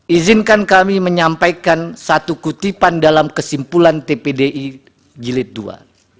izinkan kami menyampaikan satu kutipan dalam kesimpulan tpdi jilid ii